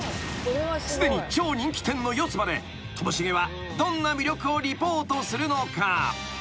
［すでに超人気店の四つ葉でともしげはどんな魅力をリポートするのか？］